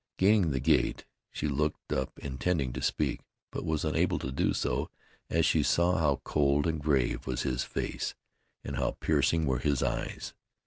Gaining the gate she looked up intending to speak; but was unable to do so as she saw how cold and grave was his face, and how piercing were his eyes.